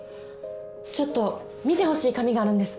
ちょっと見てほしい紙があるんです。